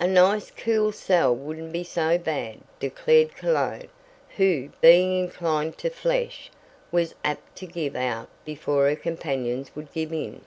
"A nice cool cell wouldn't be so bad," declared Cologne, who, being inclined to flesh, was apt to give out before her companions would give in.